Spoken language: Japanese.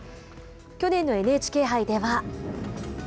去年のＮＨＫ杯では。